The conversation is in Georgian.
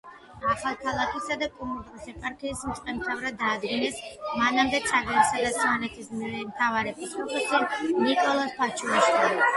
ახალქალაქისა და კუმურდოს ეპარქიის მწყემსმთავრად დაადგინეს მანამდე ცაგერისა და სვანეთის მთავარეპისკოპოსი ნიკოლოზ ფაჩუაშვილი.